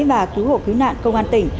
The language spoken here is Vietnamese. và cứu hộ cứu nạn công an tỉnh